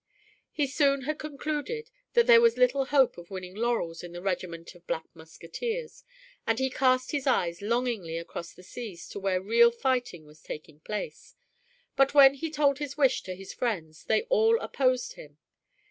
He soon had concluded that there was little hope of winning laurels in the regiment of Black Musketeers, and he cast his eyes longingly across the seas to where real fighting was taking place; but when he told his wish to his friends they all opposed him.